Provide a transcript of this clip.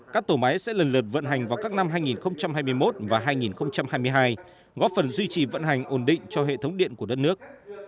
các tổ máy sẽ lần lượt vận hành vào các năm hai nghìn hai mươi một và hai nghìn hai mươi hai góp phần duy trì vận hành ổn định cho hệ thống điện của đất nước